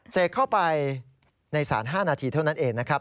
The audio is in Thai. เสกเข้าไปในสาร๕นาทีเท่านั้นเองนะครับ